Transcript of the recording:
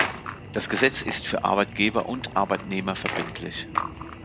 Das Gesetz ist für Arbeitgeber und Arbeitnehmer verbindlich.